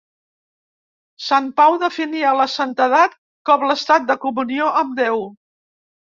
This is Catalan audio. Sant Pau definia la santedat com l'estat de comunió amb Déu.